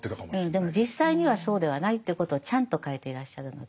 でも実際にはそうではないということをちゃんと書いていらっしゃるので。